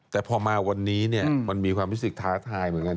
แต่พอมาวันนี้มันมีความรู้สึกท้าทายเหมือนกัน